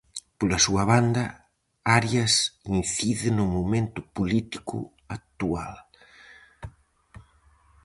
Pola súa banda, Arias incide no momento político actual.